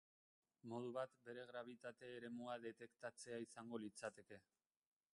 Modu bat, bere grabitate eremua detektatzea izango litzateke.